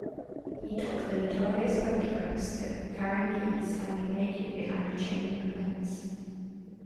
He took the notorious photographs of Carangi standing naked behind a chain-link fence.